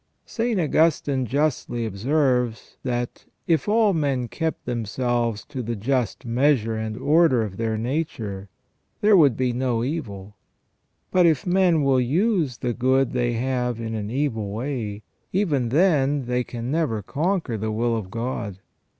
St. Augustine justly observes, that " if all men kept themselves to the just measure and order of their nature, there would be no evil. But if men will use the good they have in an evil way, even then they can never conquer the will of God.